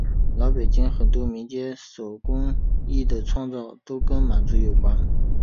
老北京很多民间手工艺的创造都跟满族有关。